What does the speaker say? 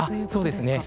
そうですね。